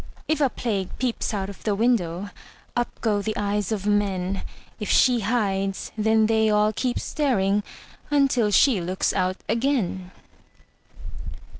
If a Plague peeps out of the window, Up go the eyes of men; If she hides, then they all keep staring Until she looks out again.